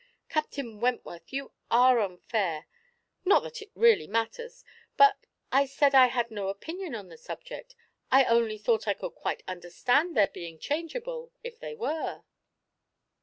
Captain Wentworth, you are unfair not that it really matters but I said I had no opinion on the subject I only thought I could quite understand their being changeable, if they were."